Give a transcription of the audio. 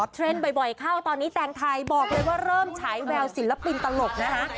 เทรนด์บ่อยเข้าตอนนี้แตงไทยบอกเลยว่าเริ่มฉายแววศิลปินตลกนะฮะ